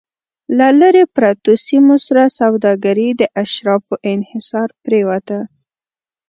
له لرې پرتو سیمو سره سوداګري د اشرافو انحصار پرېوته